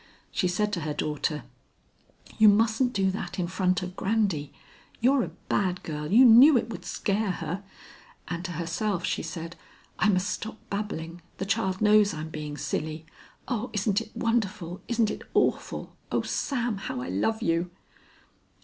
She said to her daughter, "You mustn't do that in front of Grandy. You're a bad girl, you knew it would scare her," and to herself she said: I must stop babbling, the child knows I'm being silly. O isn't it wonderful, isn't it awful, O Sam, how I love you.